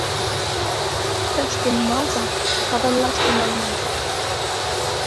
— Тышке нумалза, каванлаш тӱҥалына-а!